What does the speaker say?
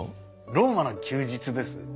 『ローマの休日』です。